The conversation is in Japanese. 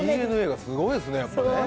ＤＮＡがすごいですね。